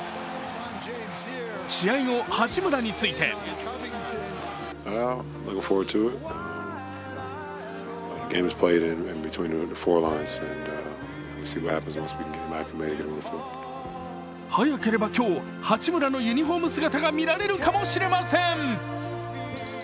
試合後、八村について早ければ今日、八村のユニフォーム姿が見られるかもしれません。